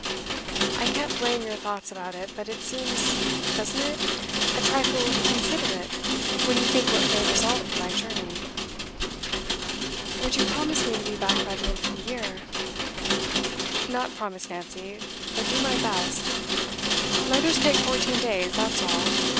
I can't blame your thoughts about it; but it seems doesn't it? a trifle inconsiderate, when you think what may result from my journey.' 'Would you promise me to be back by the end of the year?' 'Not promise, Nancy. But do my best. Letters take fourteen days, that's all.